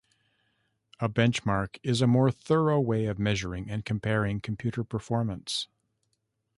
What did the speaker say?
A benchmark is a more thorough way of measuring and comparing computer performance.